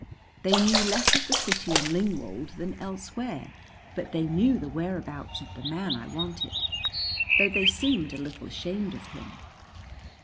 They knew less of the city in Lingwold than elsewhere but they knew the whereabouts of the man I wanted, though they seemed a little ashamed of him.